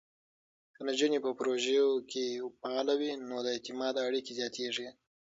که نجونې په پروژو کې فعاله وي، نو د اعتماد اړیکې زیاتېږي.